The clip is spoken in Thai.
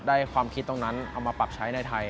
ความคิดตรงนั้นเอามาปรับใช้ในไทย